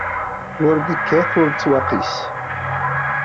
Ur nekkat ur nettwaqis.